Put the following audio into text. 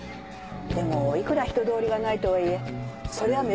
でもいくら人通りがないとはいえそれは目立ちます。